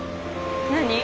何？